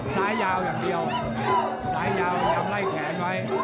ซ้ายยาวอย่างเดียวซ้ายยาวพยายามไล่แขนไว้